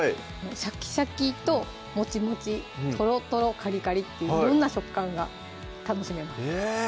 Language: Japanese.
シャキシャキとモチモチ・トロトロ・カリカリっていう色んな食感が楽しめますえっ？